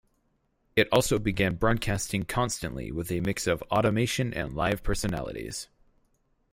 It also began broadcasting constantly with a mix of automation and live personalities.